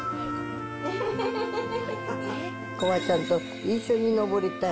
こはちゃんと一緒に上りたい。